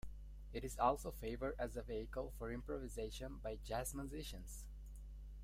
It is also favored as a vehicle for improvisation by jazz musicians.